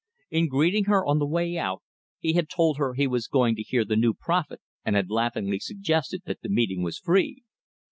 In greeting her on the way out, he had told her he was going to hear the new prophet and had laughingly suggested that the meeting was free.